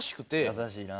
優しいな。